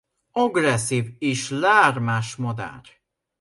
Agresszív és lármás madár.